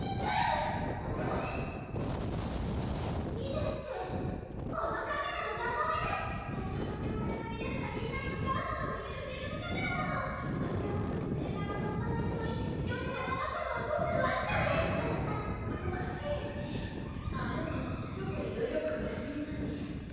えっ⁉ミミデンってこのカメラの名前最近発表された「ミデルタＤ９」の元祖ともいえるフィルムカメラなの発表後すぐにメーカーが倒産してしまい市場に出回ったのはごくわずかでくわしいねあの子ちょっといろいろくわしめなんで「ＭＩＤＥＮＦ」